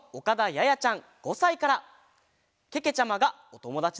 ややちゃん。